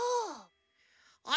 あ。